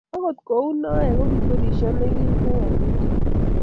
Ogot ko uu noe ko kiturisho ne kintee Wazito.